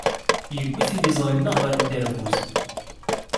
Yewwi tiliẓri-nneɣ ɣer uderbuz.